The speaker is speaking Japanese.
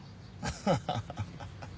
アハハハ。